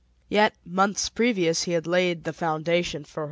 Yet months previous, he had laid the foundation for her mirth.